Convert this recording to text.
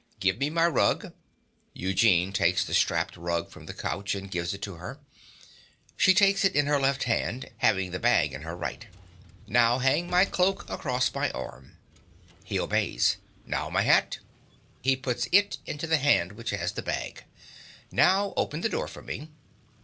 Give me my rug. (Eugene takes the strapped rug from the couch, and gives it to her. She takes it in her left hand, having the bag in her right.) Now hang my cloak across my arm. (He obeys.) Now my hat. (He puts it into the hand which has the bag.) Now open the door for me.